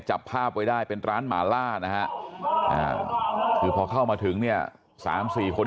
จับภาพไว้ได้เป็นร้านหมาล่านะฮะคือพอเข้ามาถึงเนี่ย๓๔คน